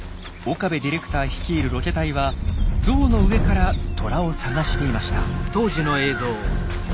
岡部ディレクター率いるロケ隊はゾウの上からトラを探していました。